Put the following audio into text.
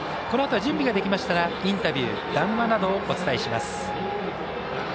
このあとは準備ができましたらインタビュー、談話などをお伝えします。